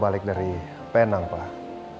balik dari penang pak